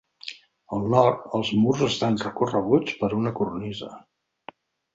Al nord els murs estan recorreguts per una cornisa.